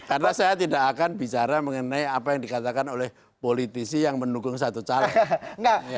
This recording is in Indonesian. karena saya tidak akan bicara mengenai apa yang dikatakan oleh politisi yang mendukung satu calon